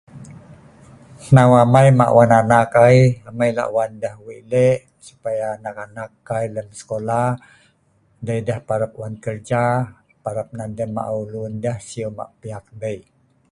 hnau amai ma wan anak ai, amai lak wan deh wei lek supaya anak anak kai lem sekola, dei deh parap wan kerja, parap nan deh maeu lun deh si ma piak deik